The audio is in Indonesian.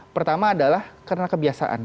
pertama adalah karena kebiasaan